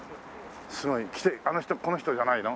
すごい来てあの人この人じゃないの？